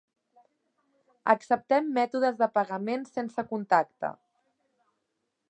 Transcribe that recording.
Acceptem mètodes de pagament sense contacte.